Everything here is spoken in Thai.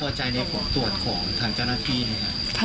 แล้วพอใจในความตรวจของทางจ้านักภีร์นี่คะ